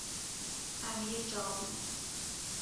امیرجاوید